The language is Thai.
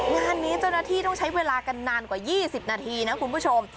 งานนี้เจ้าหน้าที่ต้องใช้เวลากันนานกว่า๒๐นาทีนะคุณผู้ชม